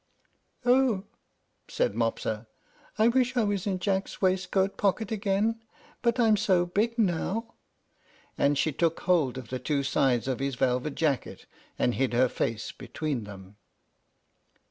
"Oh!" said Mopsa, "I wish I was in Jack's waistcoat pocket again; but I'm so big now." And she took hold of the two sides of his velvet jacket, and hid her face between them.